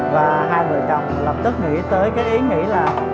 và hai vợ chồng lập tức nghĩ tới cái ý nghĩ là